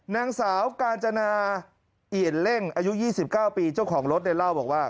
นางสาวกาญจนาเอี่ยนเล่งอายุ๒๙ปีเจ้าของรถเนี่ยเล่าบอกว่า